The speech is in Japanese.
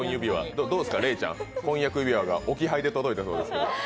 どうですかレイちゃん、婚約指輪が置き配で届いたそうですけど？